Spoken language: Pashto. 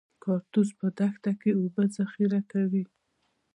کاکتوس په دښته کې اوبه ذخیره کوي